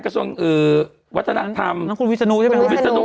กระทงเออวัตนาทำน้องคุณวิสนูใช่ไหมวิสนู